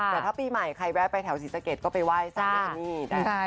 แต่ถ้าปีใหม่ใครแวะไปแถวศรีสะเกดก็ไปไหว้เจ้าแม่นี่นะคะ